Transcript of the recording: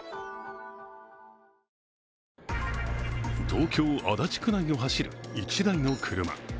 東京・足立区内を走る１台の車。